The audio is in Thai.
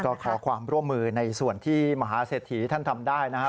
ก็ขอความร่วมมือในส่วนที่มหาเศรษฐีท่านทำได้นะครับ